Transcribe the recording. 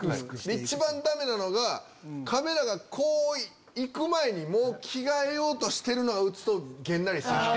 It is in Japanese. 一番ダメなのがカメラがこう行く前に着替えようとしてるのが映るとげんなりしちゃう。